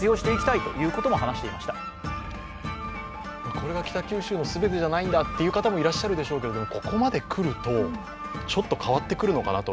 これが北九州の全てじゃないんだと言う方もいらっしゃると思いますけど、ここまでくると、ちょっと変わってくるのかなと。